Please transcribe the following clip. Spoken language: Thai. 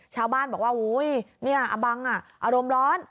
ชาวบ้านบอกว่าอุ๊ยเนี่ยอาบังอารมณ์ร้อน